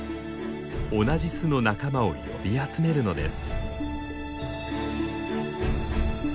同じ巣の仲間を呼び集めるのです。